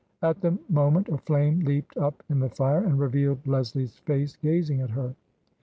At the moment a flame leaped up in the fire and revealed Leslie's face gazing at her.